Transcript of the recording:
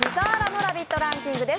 ランキングです。